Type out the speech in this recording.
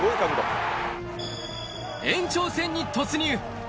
延長戦に突入。